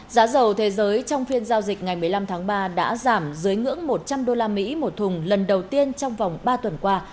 giá dầu thế giới trong phiên giao dịch ngày một mươi năm tháng ba đã giảm dưới ngưỡng một trăm linh usd một thùng lần đầu tiên trong vòng ba tuần qua